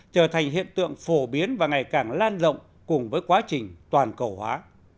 trở thành hiện tượng phổ biến và ngày càng lan rộng cùng với quá trình toàn cầu hóa